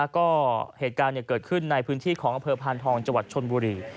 ก็เหตุการณ์เกิดขึ้นในพื้นที่ของอำเภอพานทองจังหวัดชนบุรี